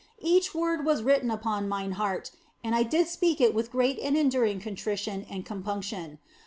Each word was written upon mine heart and I did speak it with great and enduring contrition and compunction.